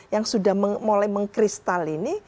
yang sudah mulai mengkristal ini